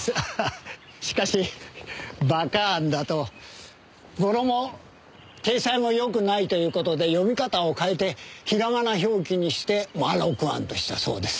しかし馬鹿庵だと語呂も体裁もよくないという事で読み方を変えてひらがな表記にして「まろく庵」としたそうです。